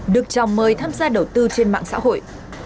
được chào mời tham gia đầu tư trên mạng xã hội